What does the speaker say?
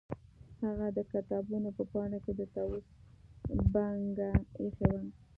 هغه د کتابونو په پاڼو کې د طاووس بڼکه ایښې وه